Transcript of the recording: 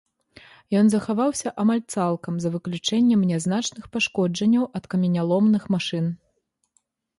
Ён захаваўся амаль цалкам, за выключэннем нязначных пашкоджанняў ад каменяломных машын.